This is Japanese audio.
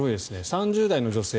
３０代の女性。